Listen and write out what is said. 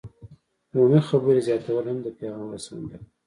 عمومي خبرې زیاتول هم د پیغام رسونې لپاره